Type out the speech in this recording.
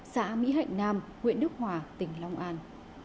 xã mỹ hạnh nam huyện đức hòa tỉnh long an